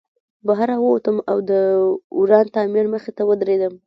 بهر راووتم او د وران تعمیر مخې ته ودرېدم